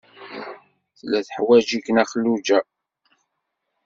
Tella teḥwaj-ik Nna Xelluǧa.